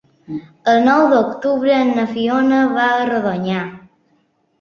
El nou d'octubre na Fiona va a Rodonyà.